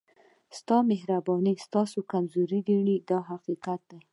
ستا مهرباني ستاسو کمزوري ګڼي دا حقیقت دی.